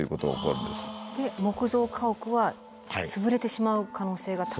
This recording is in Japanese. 木造家屋は潰れてしまう可能性が高い。